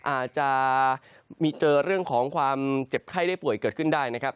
อาจจะมีเจอเรื่องของความเจ็บไข้ได้ป่วยเกิดขึ้นได้นะครับ